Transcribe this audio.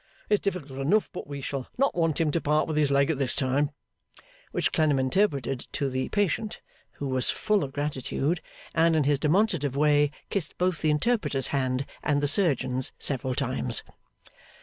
It's difficult enough, but we shall not want him to part with his leg this time.' Which Clennam interpreted to the patient, who was full of gratitude, and, in his demonstrative way, kissed both the interpreter's hand and the surgeon's several times.